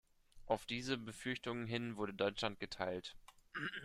Auf diese Befürchtungen hin wurde Deutschland geteilt.